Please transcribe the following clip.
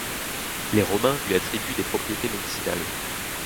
Les Romains lui attribuent des propriétés médicinales.